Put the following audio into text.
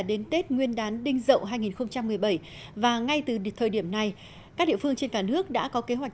đến tết nguyên đán đinh dậu hai nghìn một mươi bảy và ngay từ thời điểm này các địa phương trên cả nước đã có kế hoạch